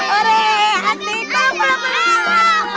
oreh hatiku peluk peluk